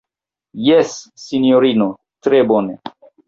Jes, sinjorino, tre bone.